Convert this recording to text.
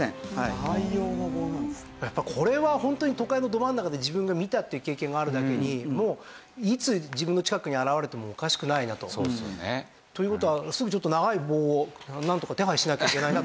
やっぱこれはホントに都会のど真ん中で自分が見たっていう経験があるだけにもういつ自分の近くに現れてもおかしくないなと。という事はすぐちょっと長い棒をなんとか手配しなきゃいけないなと。